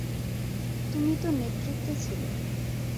তুমি তো নেতৃত্বে ছিলে।